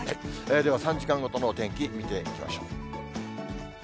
では、３時間ごとのお天気、見ていきましょう。